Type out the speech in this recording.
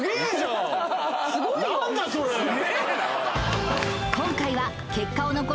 すごいよ！